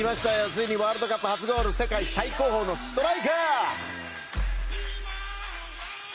ついにワールドカップ初ゴール世界最高峰のストライカー！